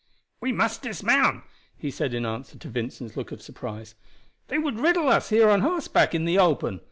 "We must dismount," he said in answer to Vincent's look of surprise; "they would riddle us here on horseback in the open.